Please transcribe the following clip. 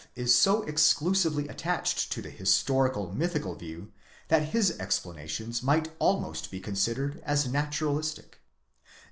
is so exclusively attached to the historical mythical view that his explanations might almost be considered as naturalistic.